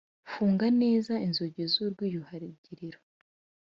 funga neza inzugi z urwiyuhagiriro